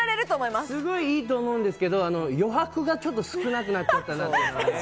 すごい、いいと思うんですけれど、余白がちょっと少なくなっちゃって。